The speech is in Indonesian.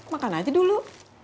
makan aja dulu